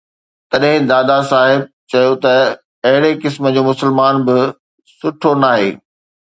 تڏهن دادا صاحب چيو ته اهڙي قسم جو مسلمان به سٺو ناهي